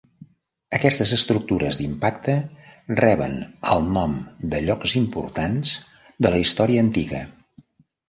Aquestes estructures d'impacte reben el nom de llocs importants de la història antiga.